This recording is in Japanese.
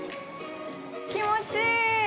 気持ちいい。